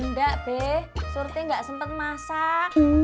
nggak be surti enggak sempat masak